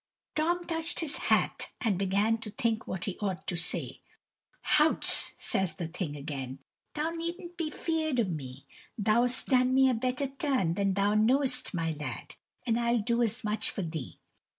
Tom touched his hat, and began to think what he ought to say. "Houts!" says the thing again, "thou needn't be feared o' me; thou 'st done me a better turn than thou know'st, my lad, and I'll do as much for thee."